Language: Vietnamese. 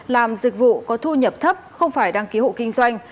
làm dịch vụ có thu nhập thấp không phải đăng ký hộ kinh doanh